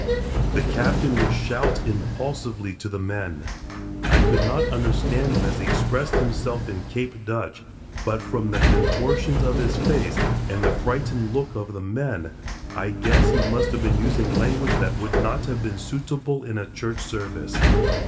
The captain would shout impulsively to the men; I could not understand him as he expressed himself in "Cape Dutch," but from the contortions of his face and the frightened look of the men, I guess he must have been using language that would not have been suitable in a church service.